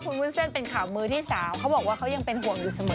คุณวุ้นเส้นเป็นข่าวมือที่๓เขาบอกว่าเขายังเป็นห่วงอยู่เสมอ